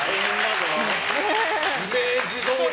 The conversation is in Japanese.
イメージどおり。